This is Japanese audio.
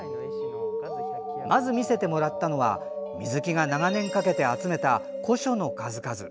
まず見せてもらったのは、水木が長年かけて集めた古書の数々。